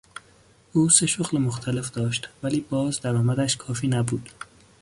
او سه شغل مختلف داشت ولی باز درآمدش کافی نبود.